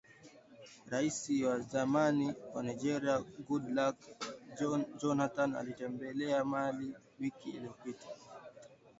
raisi wa zamani wa Nigeria Goodluck Johnathan alitembelea Mali wiki iliyopita